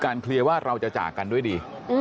เคลียร์ว่าเราจะจากกันด้วยดี